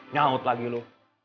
nyaut lagi lu